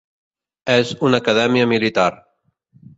És una acadèmia militar.